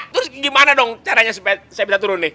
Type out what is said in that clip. terus gimana dong caranya supaya saya bisa turun nih